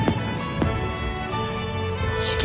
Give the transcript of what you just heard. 四季